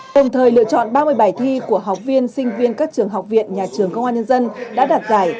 đồng thời lựa chọn ba mươi bài thi của học viên sinh viên các trường học viện nhà trường công an nhân dân đã đạt giải